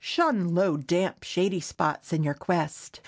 Shun low, damp, shady spots in your quest.